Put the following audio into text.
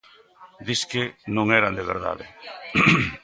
Disque non eran "de verdade".